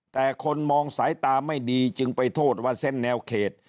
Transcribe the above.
แต่คนมองสายตาไม่ดีจึงไปโทษว่าเส้นแนวเขต